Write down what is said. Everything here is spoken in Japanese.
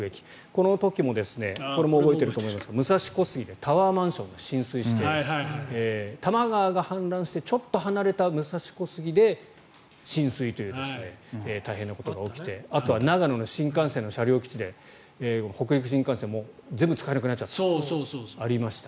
この時もこれも覚えていると思いますが武蔵小杉でタワーマンションが浸水して多摩川が氾濫してちょっと離れた武蔵小杉で浸水という大変なことが起きてあとは長野の新幹線の車両基地で北陸新幹線も全部使えなくなっちゃったということがありました。